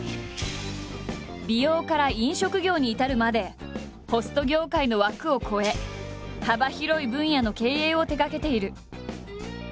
美容から飲食業に至るまでホスト業界の枠を超え幅広い分野の経営を手がけている。